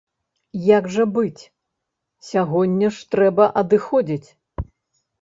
Як жа быць, сягоння ж трэба адыходзіць!